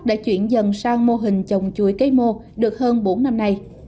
đã chuyển dần sang mô hình trồng chuối cây mô được hơn bốn năm nay